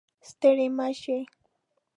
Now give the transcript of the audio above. ستړې مه شئ